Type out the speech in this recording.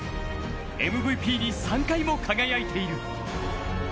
ＭＶＰに３回も輝いている。